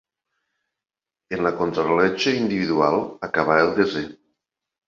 En la contrarellotge individual acabà el desè.